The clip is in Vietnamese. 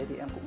thì em cũng